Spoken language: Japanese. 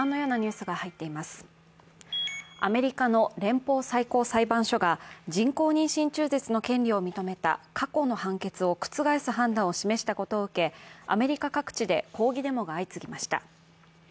アメリカの連邦最高裁判所が人工妊娠中絶の権利を認めた過去の判決を覆す判断を示したことを受けアメリカ各地で抗議デモが相次ぎました。